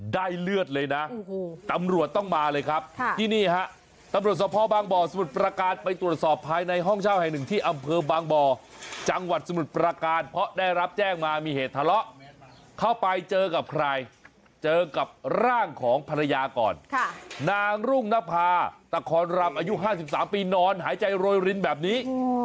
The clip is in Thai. เลือดเลยนะตำรวจต้องมาเลยครับที่นี่ฮะตำรวจสภบางบ่อสมุทรประการไปตรวจสอบภายในห้องเช่าแห่งหนึ่งที่อำเภอบางบ่อจังหวัดสมุทรประการเพราะได้รับแจ้งมามีเหตุทะเลาะเข้าไปเจอกับใครเจอกับร่างของภรรยาก่อนนางรุ่งนภาตะคอนรำอายุ๕๓ปีนอนหายใจโรยรินแบบนี้